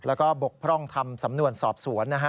แล้วก็บกพร่องทำสำนวนสอบสวนนะฮะ